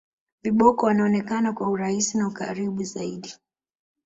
viboko wanaonekana kwa urahisi na ukaribu zaidi